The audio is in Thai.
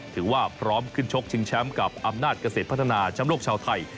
ถือว่าพร้อมขึ้นชกชิงแชมป์กับอำนาจเกษตรพัฒนาแชมป์โลกชาวไทย